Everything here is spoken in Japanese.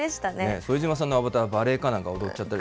副島さんのアバターは、バレエなんか踊っちゃったり。